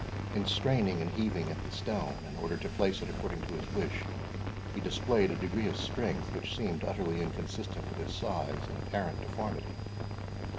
In straining and heaving at the stone, in order to place it according to his wish, he displayed a degree of strength which seemed utterly inconsistent with his size and apparent deformity.